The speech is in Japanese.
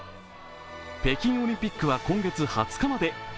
北京オリンピックは今月２０日まで。